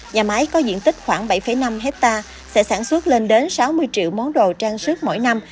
nhà máy có diện tích khoảng bảy năm hectare sẽ sản xuất lên đến sáu mươi triệu món đồ trang sức mỗi năm